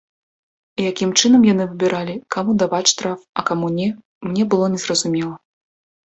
Якім чынам яны выбіралі, каму даваць штраф, а каму не, мне было незразумела.